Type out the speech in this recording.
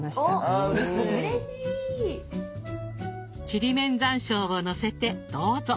ちりめん山椒をのせてどうぞ。